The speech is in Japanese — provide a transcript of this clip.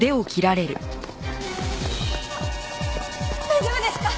大丈夫ですか！？